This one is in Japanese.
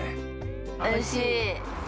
おいしい！